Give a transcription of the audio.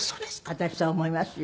「私そう思いますよ。